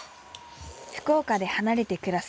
福岡で離れて暮らす